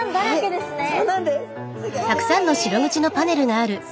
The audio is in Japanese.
そうなんです。